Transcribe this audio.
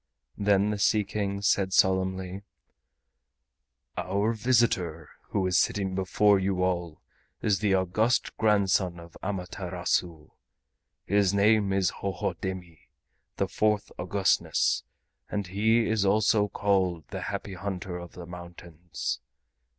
Then the Sea King said solemnly: "Our visitor who is sitting before you all is the august grandson of Amaterasu. His name is Hohodemi, the fourth Augustness, and he is also called the Happy Hunter of the Mountains.